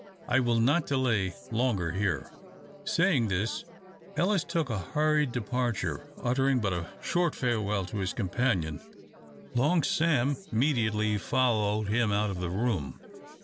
I will not delay longer here." Saying this, Ellis took a hurried departure, uttering but a short farewell to his companion. Long Sam immediately followed him out of the room.